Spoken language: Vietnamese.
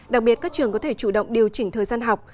đặc biệt các trường có thể chủ động điều chỉnh thời gian học